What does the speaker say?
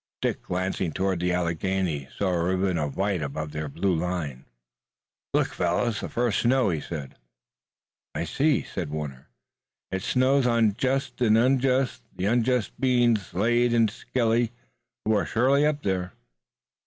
Dick, glancing toward the Alleghanies, saw a ribbon of white above their blue line. "Look, fellows! The first snow!" he said. "I see," said Warner. "It snows on the just and the unjust, the unjust being Slade and Skelly, who are surely up there."